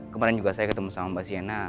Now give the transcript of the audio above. kemarin juga saya ketemu sama mbak sienna